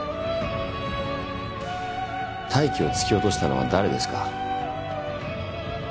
泰生を突き落としたのは誰ですか？